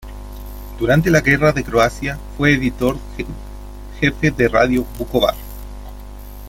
Durante la Guerra de Croacia, fue editor jefe de Radio Vukovar.